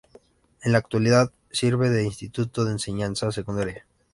En la actualidad sirve de instituto de enseñanza secundaria.